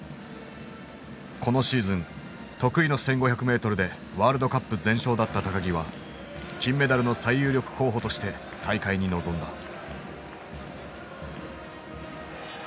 このシーズン得意の１，５００ｍでワールドカップ全勝だった木は金メダルの最有力候補として大会に臨んだ。